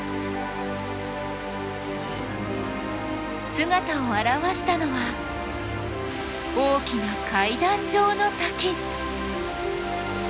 姿を現したのは大きな階段状の滝！